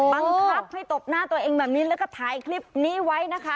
บังคับให้ตบหน้าตัวเองแบบนี้แล้วก็ถ่ายคลิปนี้ไว้นะคะ